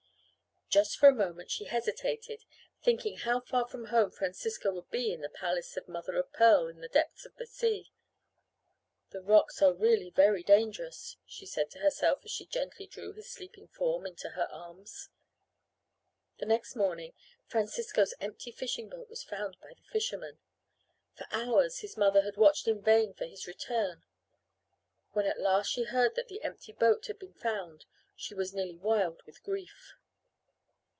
Just for a moment she hesitated, thinking how far from home Francisco would be in the palace of mother of pearl in the depths of the sea. "The rocks are really very dangerous," she said to herself as she gently drew his sleeping form into her arms. The next morning Francisco's empty fishing boat was found by the fishermen. For hours his mother had watched in vain for his return. When at last she heard that the empty boat had been found she was nearly wild with grief.